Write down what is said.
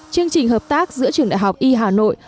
chương trình hợp tác giữa trường đại học y hà nội